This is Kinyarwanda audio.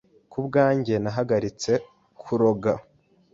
Kubwanjye nahagaritse kuroga